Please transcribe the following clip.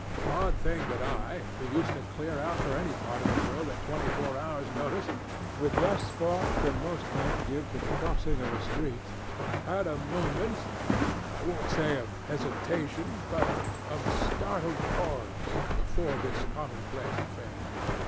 Odd thing that I, who used to clear out for any part of the world at twenty four hours' notice, with less thought than most men give to the crossing of a street, had a moment I won't say of hesitation, but of startled pause, before this commonplace affair.